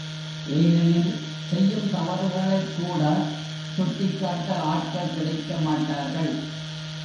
ஏனெனில்செய்யும் தவறுகளைக் கூட சுட்டிக் காட்ட ஆட்கள் கிடைக்க மாட்டார்கள்.